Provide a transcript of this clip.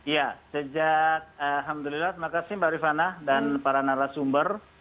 ya sejak alhamdulillah terima kasih mbak rifana dan para narasumber